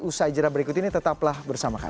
usaha ijera berikut ini tetaplah bersama kami